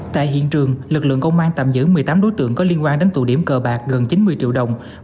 tại hiện trường lực lượng công an tạm giữ một mươi tám đối tượng có liên quan đến tụ điểm cờ bạc gần chín mươi triệu đồng